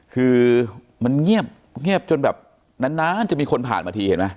คือมันเงียบจนแบบนานจะมีคนผ่านมาทีเห็นไหม